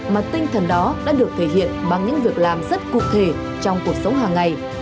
mà tinh thần đó đã được thể hiện bằng những việc làm rất cụ thể trong cuộc sống hàng ngày